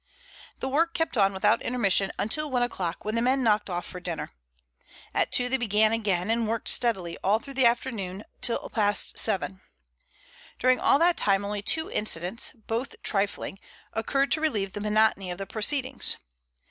The work kept on without intermission until one o'clock, when the men knocked off for dinner. At two they began again, and worked steadily all through the afternoon until past seven. During all that time only two incidents, both trifling, occurred to relieve the monotony of the proceedings.